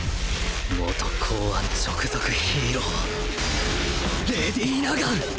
元公安直属ヒーローレディ・ナガン！！